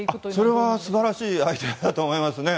それは素晴らしいアイデアだと思いますね。